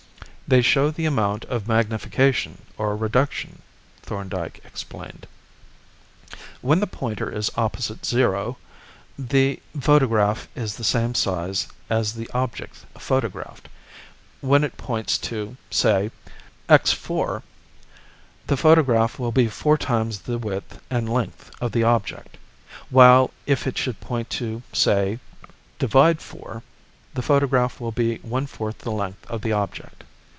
"They show the amount of magnification or reduction," Thorndyke explained. "When the pointer is opposite 0, the photograph is the same size as the object photographed; when it points to, say, x 4, the photograph will be four times the width and length of the object, while if it should point to, say, ÷ 4, the photograph will be one fourth the length of the object.